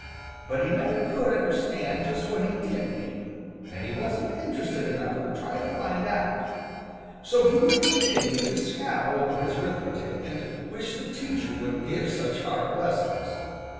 But he never could understand just what he did mean, and he wasn't interested enough to try to find out. So he would continue to scowl over his arithmetic and wish the teacher wouldn't give such hard lessons.